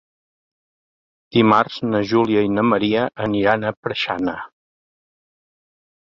Dimarts na Júlia i na Maria aniran a Preixana.